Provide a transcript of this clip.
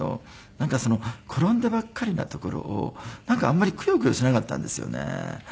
なんかその転んでばっかりなところをあんまりくよくよしなかったんですよね。